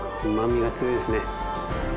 うまみが強いですね。